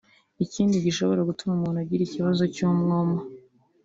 Ikindi gishobora gutuma umuntu agira ikibazo cy’umwuma